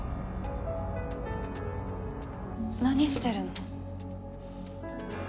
何してるの？